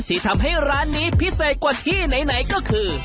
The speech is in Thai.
ที่ทำให้ร้านนี้พิเศษกว่าที่ไหนก็คือ